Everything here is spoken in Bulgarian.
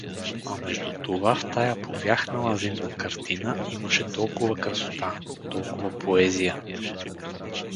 А между това в тая повяхнала зимна картина имаше толкова красота, толкова поезия!